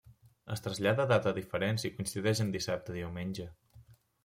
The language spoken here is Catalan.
Es trasllada a data diferent si coincideix en dissabte o diumenge.